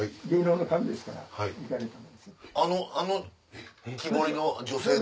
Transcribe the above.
あの木彫りの女性。